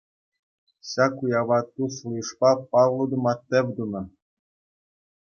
Ҫак уява туслӑ йышпа паллӑ тума тӗв тунӑ.